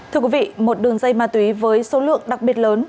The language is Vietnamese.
thưa quý vị một đường dây ma túy với số lượng đặc biệt lớn